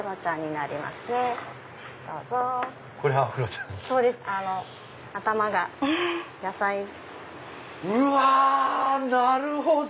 なるほど！